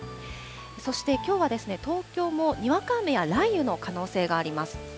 そしてきょうは、東京もにわか雨や雷雨の可能性があります。